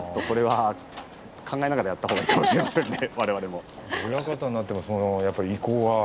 考えながらやったほうがいいかもしれませんね。